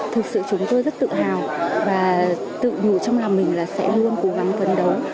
thực sự chúng tôi rất tự hào và tự nhủ trong lòng mình là sẽ luôn cố gắng phấn đấu